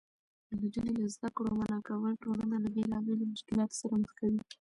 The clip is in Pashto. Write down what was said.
نجونې له زده کړو منعه کول ټولنه له بېلابېلو مشکلاتو سره مخ کوي.